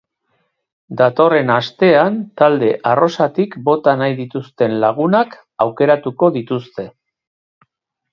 Datorren astean talde arrosatik bota nahi dituzten lagunak aukeratuko dituzte.